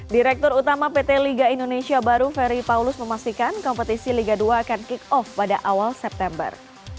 direktur utama pt liga indonesia baru ferry paulus memastikan kompetisi liga dua akan kick off pada awal september